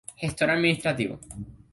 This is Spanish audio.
Gestor Administrativo.